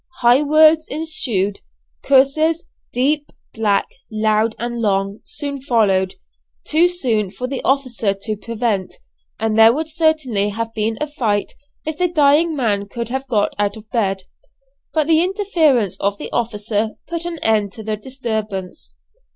High words ensued. Curses, deep, black, loud, and long, soon followed, too soon for the officer to prevent, and there would certainly have been a fight if the dying man could have got out of bed, but the interference of the officer put an end to the disturbance.